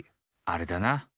あれだな！